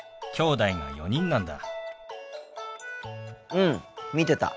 うん見てた。